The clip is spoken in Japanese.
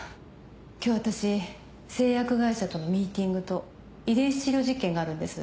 今日私製薬会社とのミーティングと遺伝子治療実験があるんです。